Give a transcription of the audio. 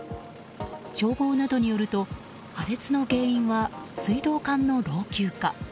消防などによると破裂の原因は、水道管の老朽化。